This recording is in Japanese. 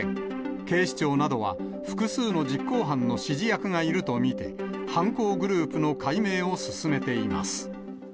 警視庁などは、複数の実行犯の指示役がいると見て、犯行グループの解明を進めています。